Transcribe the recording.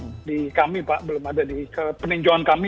belum di kami pak belum ada di peninjauan kami